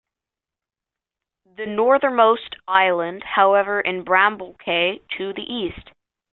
The northernmost island, however, is Bramble Cay, to the east.